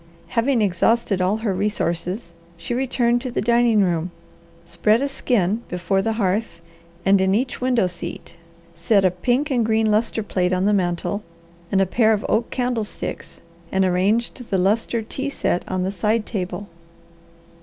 Having exhausted all her resources, she returned to the dining room, spread a skin before the hearth and in each window seat, set a pink and green lustre plate on the mantel, and a pair of oak candlesticks, and arranged the lustre tea set on the side table.